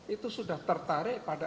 itu sudah tertarik pada